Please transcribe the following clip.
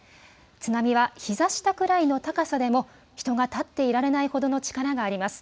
津波はひざ下くらいの高さでも人が立っていられないほどの力があります。